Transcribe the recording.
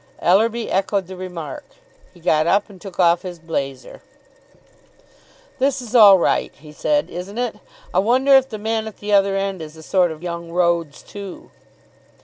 Ellerby echoed the remark. He got up, and took off his blazer. "This is all right," he said, "isn't it! I wonder if the man at the other end is a sort of young Rhodes too!"